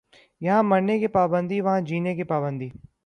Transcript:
یہاں مرنے کی پابندی وہاں جینے کی پابندی